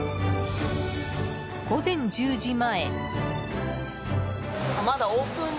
午前１０時前。